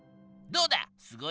どうだ！